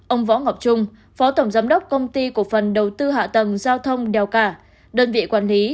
ông võ ngọc trung phó tổng giám đốc công ty cổ phần đầu tư hạ tầng giao thông đèo cả đơn vị quản lý